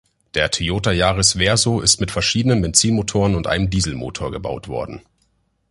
Der Toyota Yaris Verso ist mit verschiedenen Benzinmotoren und einem Dieselmotor gebaut worden.